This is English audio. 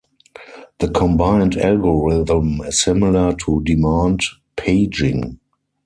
The combined algorithm is similar to demand paging.